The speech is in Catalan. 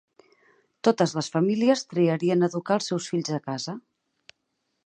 Totes les famílies triarien educar els seus fills a casa.